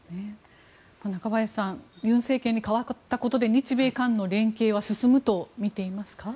中林さん尹政権に代わったことで日米韓の連携は進むと見ていますか。